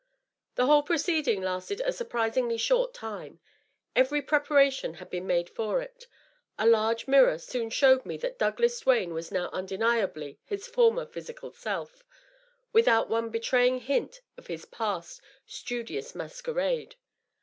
The whole proceeding lasted a surprisingly short time. Every preparation had been made for it. A large mirror soon showed me that Douglas Duane was now undeniably his former phys ical self, without one betraying hint of his past studious masquerade.